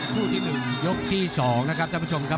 คู่ที่๑ยกที่๒นะครับท่านผู้ชมครับ